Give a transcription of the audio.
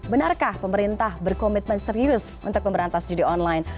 benarkah pemerintah berkomitmen serius untuk memberantas judi online